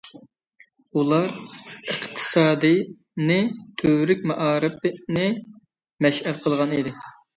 ئۇلار ئىقتىسادنى تۈۋرۈك، مائارىپنى مەشئەل قىلغان ئىدى.